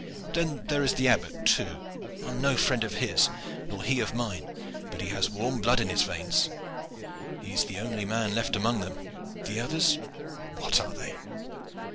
Then there is the Abbot, too. I am no friend of his, nor he of mine; but he has warm blood in his veins. He is the only man left among them. The others, what are they?"